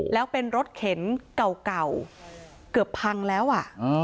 แล้วเป็นรถเข็นเก่าเกือบพังแล้วอ่ะ